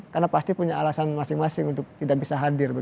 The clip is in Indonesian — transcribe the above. karena pasti punya alasan masing masing untuk tidak bisa hadir